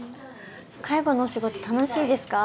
介護の仕事楽しいですか？